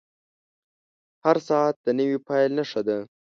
• هر ساعت د نوې پیل نښه ده.